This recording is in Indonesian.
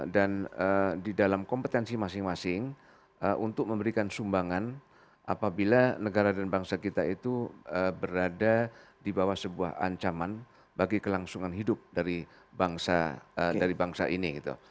dan di dalam kompetensi masing masing untuk memberikan sumbangan apabila negara dan bangsa kita itu berada di bawah sebuah ancaman bagi kelangsungan hidup dari bangsa ini